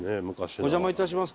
お邪魔いたします